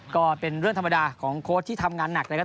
ก็เป็นเรื่องธรรมดาของโค้ชที่ทำงานหนักนะครับ